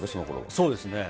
そうですね。